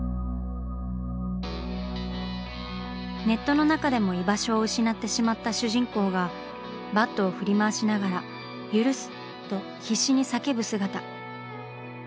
ネットの中でも居場所を失ってしまった主人公がバットを振り回しながら「許す」と必死に叫ぶ姿。